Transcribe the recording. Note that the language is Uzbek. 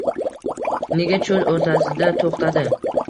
Nega cho‘l o‘rtasida to‘xtadi?